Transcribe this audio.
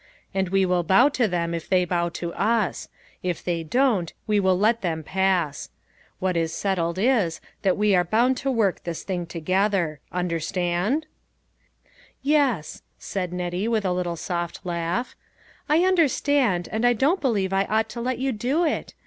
And we will bow to them if they bow to us ; if they don't we will let them pass. What is settled is, that we are bound 176 LITTLE FISHERS : AND THEIR NETS. to work out this thing together. Understand ?" "Yes," said Nettie, with a little soft laugh, " I understand, and I don't believe I ought to let you do it.